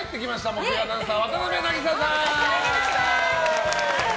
木曜アナウンサー渡邊渚さん！